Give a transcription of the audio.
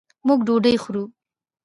موږ ډوډۍ خورو